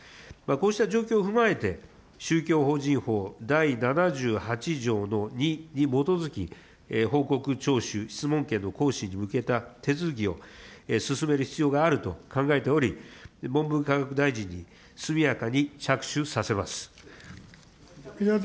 こうした状況を踏まえて宗教法人法第４８条の２に基づき、報告徴収、質問権の行使に向けた手続きを進める必要があると考えており、文部科学大臣に速やかに着手させます。